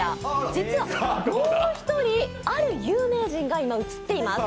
実はもう１人ある有名人が今映っています。